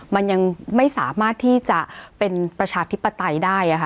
มันยังไม่สามารถที่จะเป็นประชาธิปไตยได้ค่ะ